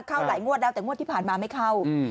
เข้าหลายงวดแล้วแต่งวดที่ผ่านมาไม่เข้า